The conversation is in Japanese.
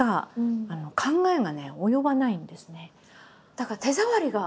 だから手触りが。